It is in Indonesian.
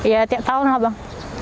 ya tiap tahun lah bang